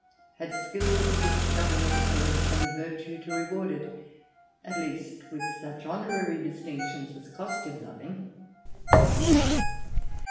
"had skill to discover excellence and virtue to reward it, at least with such honorary distinctions as cost him nothing."